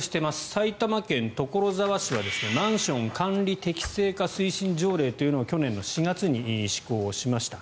埼玉県所沢市はマンション管理適正化推進条例を去年の４月に施行しました。